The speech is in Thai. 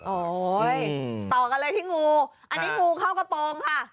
ต่อกันเลยที่งูอันนี้งูเข้ากระโปรงค่ะ